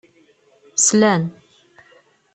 Slan.